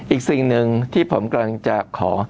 อีกสิ่งหนึ่งที่ผมกำลังจะขอ